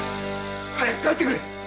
早く帰ってくれ！